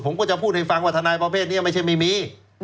ผมก็จะพูดให้ฟังว่าทนายประเภทนี้ไม่ใช่ไม่มี